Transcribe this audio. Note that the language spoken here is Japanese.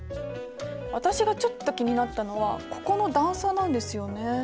私がちょっと気になったのはここの段差なんですよね。